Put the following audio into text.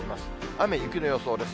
雨、雪の予想です。